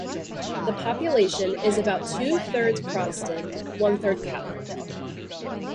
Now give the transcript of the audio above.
The population is about two thirds protestant, one third Catholic.